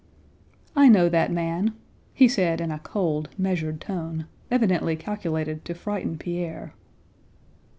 "I know that man," he said in a cold, measured tone, evidently calculated to frighten Pierre.